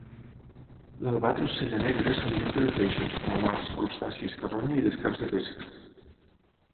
L'albatros cellanegre s'alimenta de peixos, calamars, crustacis, carronya, i descarts de pesca.